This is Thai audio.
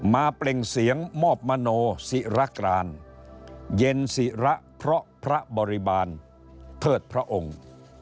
เปล่งเสียงมอบมโนศิรกรานเย็นศิระเพราะพระบริบาลเทิดพระองค์